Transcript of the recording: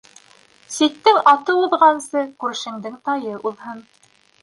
Ситтең аты уҙғансы, күршеңдең тайы уҙһын.